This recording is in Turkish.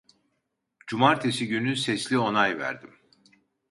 Cumartesi günü sesli onay verdim